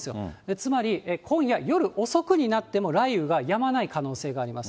つまり、今夜夜遅くになっても雷雨がやまない可能性があります。